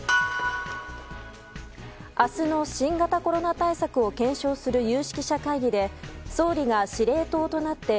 明日の新型コロナ対策を検証する有識者会議で総理が司令塔となって